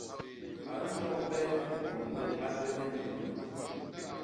A nnyogbe i boñ le a tehe nyono.